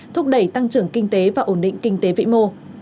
thúc đẩy tăng trưởng kinh tế và ổn định kinh tế vĩ mô